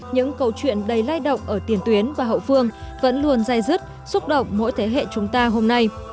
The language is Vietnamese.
những câu chuyện đầy lai động ở tiền tuyến và hậu phương vẫn luôn dây dứt xúc động mỗi thế hệ chúng ta hôm nay